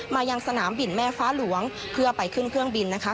ยังสนามบินแม่ฟ้าหลวงเพื่อไปขึ้นเครื่องบินนะคะ